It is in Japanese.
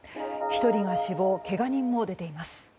１人が死亡けが人も出ています。